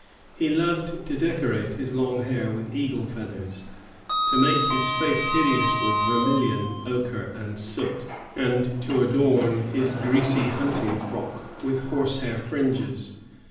He loved to decorate his long hair with eagle feathers, to make his face hideous with vermilion, ochre, and soot, and to adorn his greasy hunting frock with horse hair fringes.